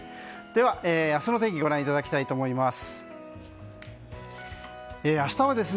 では、明日の天気をご覧いただきたいと思います。